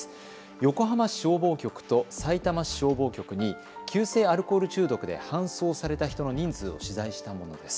横浜市消防局とさいたま市消防局に急性アルコール中毒で搬送された人の人数を取材したものです。